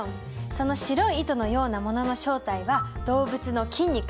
その白い糸のようなものの正体は動物の筋肉。